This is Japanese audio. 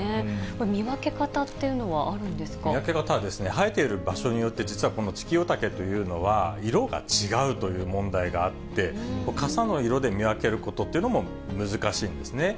これ、見分け方っていうのはある見分け方は、生えている場所によって、実はこのツキヨタケというのは、色が違うという問題があって、かさの色で見分けることっていうのも難しいんですね。